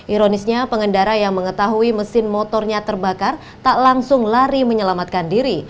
ironisnya pengendara yang mengetahui mesin motornya terbakar tak langsung lari menyelamatkan diri